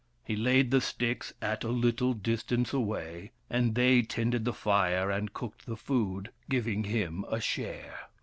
He laid the sticks at a little distance away : and they tended the fire and cooked the food, giving him a share.